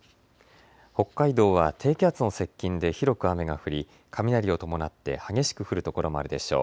北海道は低気圧の接近で広く雨が降り、雷を伴って激しく降る所もあるでしょう。